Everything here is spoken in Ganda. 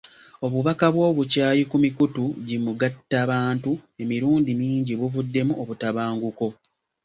Obubaka bw'obukyayi ku mikutu gi mugattabantu emirundi mingi buvuddemu obutabanguko.